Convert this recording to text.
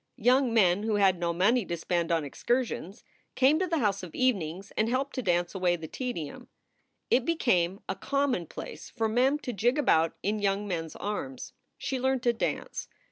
Young men who had no money to spend on excursions came to the house of evenings and helped to dance away the tedium. It became a commonplace for Mem to jig about in young men s arms. She learned to dance.